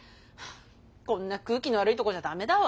こんな空気の悪いとこじゃダメだわ。